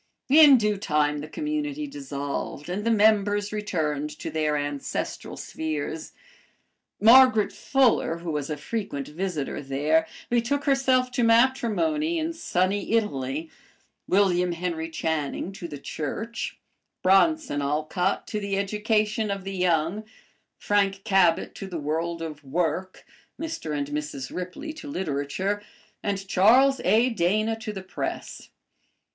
In due time the community dissolved and the members returned to their ancestral spheres. Margaret Fuller, who was a frequent visitor there, betook herself to matrimony in sunny Italy, William Henry Channing to the Church, Bronson Alcott to the education of the young, Frank Cabot to the world of work, Mr. and Mrs. Ripley to literature, and Charles A. Dana to the press.